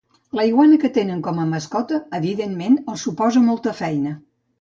La iguana que tenen com a mascota evidentment els suposa molta feina.